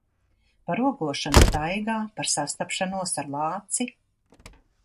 Par ogošanu taigā, par sastapšanos ar lāci.